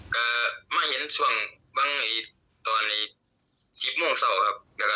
ก็มาเห็นช่วงบางตอน๑๐โมงเศร้าครับ